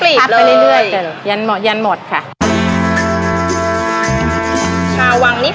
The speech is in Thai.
พี่ดาขายดอกบัวมาตั้งแต่อายุ๑๐กว่าขวบ